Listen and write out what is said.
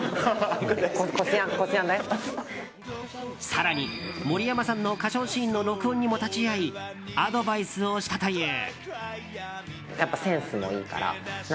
更に、森山さんの歌唱シーンの録音にも立ち会いアドバイスをしたという。